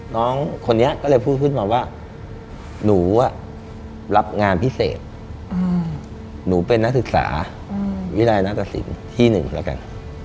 น้องคนนี้ก็เลยพูดขึ้นมาว่าหนูรับงานพิเศษหนูเป็นนักศึกษาวิรัยนาตสินที่๑แล้วกัน